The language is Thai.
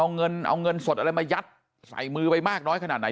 เอาเงินเอาเงินสดอะไรมายัดใส่มือไปมากน้อยขนาดไหน